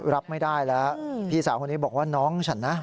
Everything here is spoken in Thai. รับไม่ได้แล้วพี่สาวคนนี้บอกว่าน้องฉันนะ